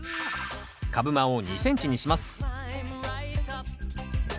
株間を２ｃｍにします